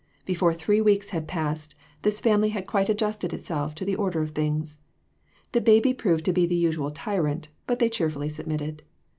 Before three weeks had passed, this family had quite adjusted itself to the order of things. The baby proved to be the usual tyrant, but they cheerfully* submitted.